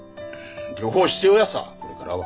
両方必要やさこれからは。